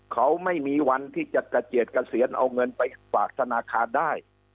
เขาไม่มีวันที่จะกระเจียดเกษียณเอาเงินไปฝากธนาคารได้